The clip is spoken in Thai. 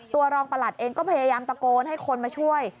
รองประหลัดเองก็พยายามตะโกนให้คนมาช่วย